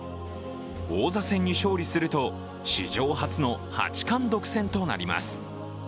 王座戦に勝利すると史上初の八冠独占となります。